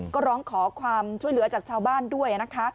ก็ร้องขอความช่วยเหลือจากชาวบ้านด้วยนะคะ